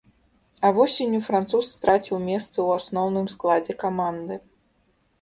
А восенню француз страціў месца ў асноўным складзе каманды.